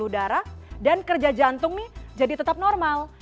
bulu darah dan kerja jantung nih jadi tetap normal